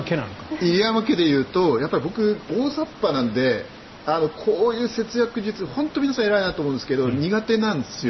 入山家で言うと大雑把なのでこういう節約術、本当に皆さん偉いなと思うんですが苦手なんですよ。